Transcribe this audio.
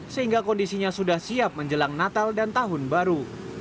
sehingga kondisinya sudah siap menjelang natal dan tahun baru